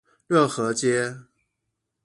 熱河街